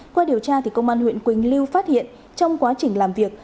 qua điều tra công an huyện quỳnh lưu phát hiện trong quá trình làm việc